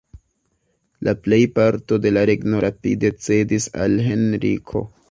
La plejparto de la regno rapide cedis al Henriko.